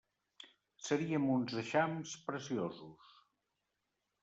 Seríem uns eixams preciosos!